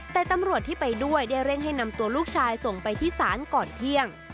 แต่ตำรวจที่ไปด้วยได้เร่งให้นำตัวลูกชายส่งไปที่ศาลก่อนเที่ยง